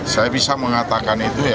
saya bisa mengatakan itu ya